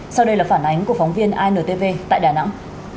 sau đây là phản ánh của phóng viên intv tại đà nẵng